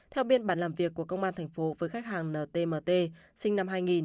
theo biên bản làm việc của công an thành phố với khách hàng ntmt sinh năm hai nghìn